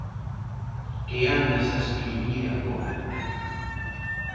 Que andas a escribir agora?